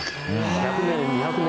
１００年２００年